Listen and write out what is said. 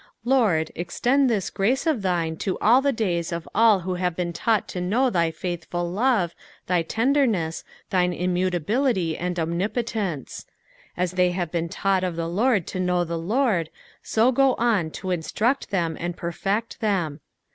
Lord, extend this grace of thine to nil the days of all who have been taught to know thy faithful lovc^, thy tendeinesa, thine immutability and omnipotence. As they have been taught uf the Lord to know the Lord, so co on to instruct them and perfect them.